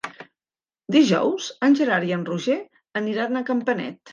Dijous en Gerard i en Roger aniran a Campanet.